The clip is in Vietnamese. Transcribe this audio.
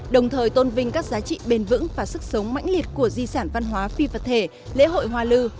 đồng thời tôn vinh các giá trị bền vững và sức sống mãnh liệt của di sản văn hóa phi vật thể lễ hội hoa lư